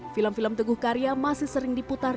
film film teguh karya masih sering diputar